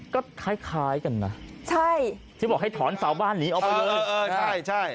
ก็คล้ายกันนะที่บอกให้ถอนสาวบ้านนี้ออกไปเลยใช่